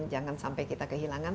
jangan sampai kita kehilangan